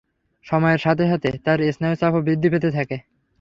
সময়ের সাথে সাথে তার স্নায়ুচাপও বৃদ্ধি পেতে থাকে।